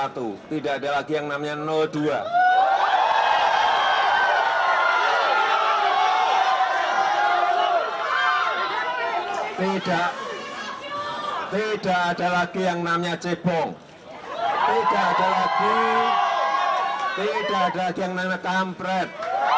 tidak ada lagi yang namanya cebong tidak ada lagi yang namanya kampret